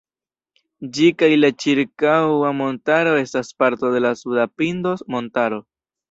Ĝi kaj la ĉirkaŭa montaro estas parto de la suda "Pindos"-montaro.